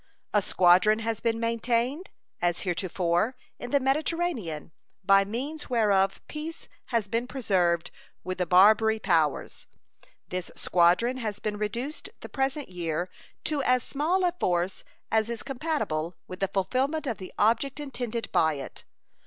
A squadron has been maintained, as heretofore, in the Mediterranean, by means whereof peace has been preserved with the Barbary Powers. This squadron has been reduced the present year to as small a force as is compatible with the fulfillment of the object intended by it.